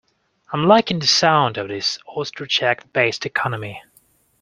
I'm liking the sound of this ostrich egg based economy.